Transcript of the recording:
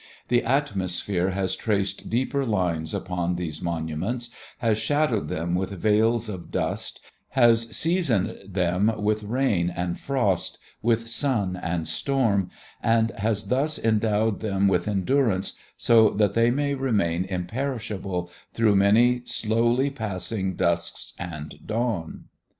The atmosphere has traced deeper lines upon these monuments, has shadowed them with veils of dust, has seasoned them with rain and frost, with sun and storm, and has thus endowed them with endurance so that they may remain imperishable through many slowly passing dusks and dawn.